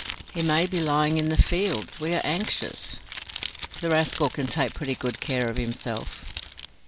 "He may be lying in the fields. We are anxious." "The rascal can take pretty good care of himself."